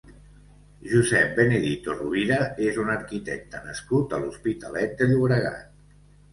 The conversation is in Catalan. Josep Benedito Rovira és un arquitecte nascut a l'Hospitalet de Llobregat.